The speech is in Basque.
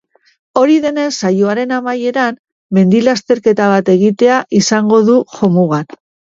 Ohi denez, saioaren amaieran, mendi-lasterketa bat egitea izango du jomugan.